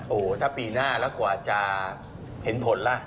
โอ้โหถ้าปีหน้าแล้วกว่าจะเห็นผลล่ะ